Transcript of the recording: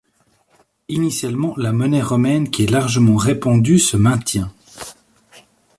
Initialement, la monnaie romaine qui est largement répandue se maintient.